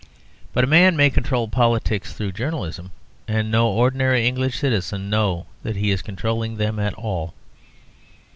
But a man may control politics through journalism, and no ordinary English citizen know that he is controlling them at all.